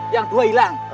yang dua hilang